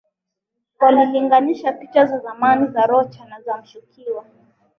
walilinganisha picha za zamani za Rocha na za mshukiwa